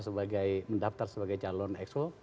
sebagai mendaftar sebagai calon exo